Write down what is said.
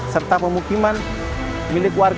serta pemukiman milik warga